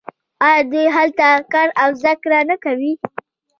آیا دوی هلته کار او زده کړه نه کوي؟